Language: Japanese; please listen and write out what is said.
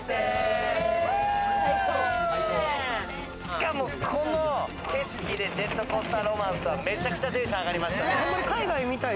しかもこの景色で『ジェットコースター・ロマンス』はめちゃくちゃテンション上がりました。